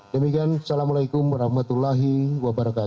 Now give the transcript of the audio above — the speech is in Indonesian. demikian assalamualaikum warahmatullahi wabarakatuh